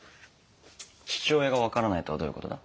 父親が分からないとはどういう事だ？